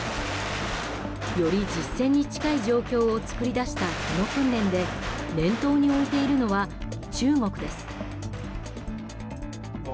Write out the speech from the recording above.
より実戦に近い状況を作り出したこの訓練で念頭に置いているのは中国です。